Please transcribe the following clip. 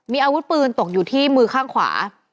มีอาวุธปืนตกอยู่ที่มือข้างขวา